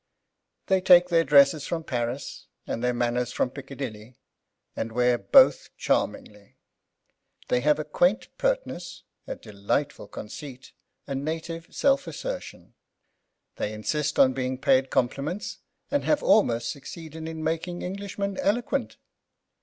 They take their dresses from Paris and their manners from Piccadilly, and wear both charmingly. They have a quaint pertness, a delightful conceit, a native self assertion. They insist on being paid compliments and have almost succeeded in making Englishmen eloquent.